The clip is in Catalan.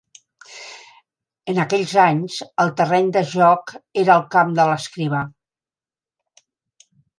En aquells anys el terreny de joc era el camp de l'Escrivà.